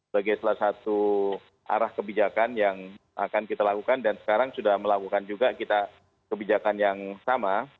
sebagai salah satu arah kebijakan yang akan kita lakukan dan sekarang sudah melakukan juga kita kebijakan yang sama